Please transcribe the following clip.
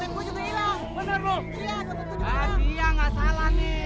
ini belum selesai dua jam malah